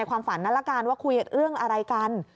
ความฝันนั้นละกันว่าคุยเรื่องอะไรกัน